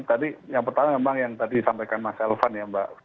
tadi yang pertama memang yang tadi disampaikan mas elvan ya mbak